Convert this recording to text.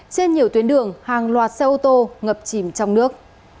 trên nhiều tuyến đường hàng loạt xe ô tô ngập chìm trong nước